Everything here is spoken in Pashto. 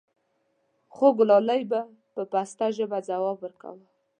خوګلالۍ به په پسته ژبه ځواب وركا و :